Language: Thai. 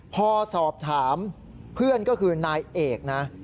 พอสอบถามเพื่อนก็คือนายเอกนะ